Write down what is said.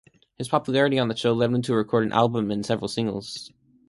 His popularity on that show led him to record an album and several singles.